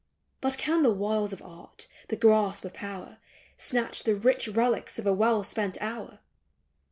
But can the wiles of art, the grasp of power, Snatch the rich relics of a well spent hour